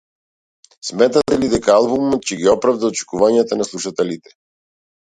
Сметате ли дека албумот ќе ги оправда очекувањата на слушателите?